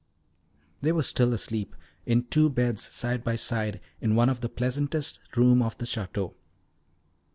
They were still asleep, in two beds side by side, in one of the pleasantest rooms of the Château.